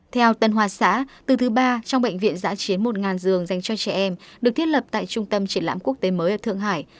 theo tân hoa xã từ thứ ba trong bệnh viện giã chiến một giường dành cho trẻ em được thiết lập tại trung tâm triển lãm quốc tế mới ở thượng hải